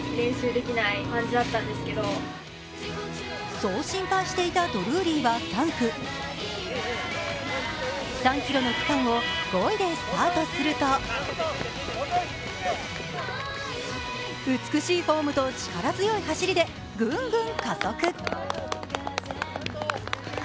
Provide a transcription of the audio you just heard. そう心配していたドルーリーは３区、３ｋｍの区間を５位でスタートすると美しいフォームと力強い走りでぐんぐん加速。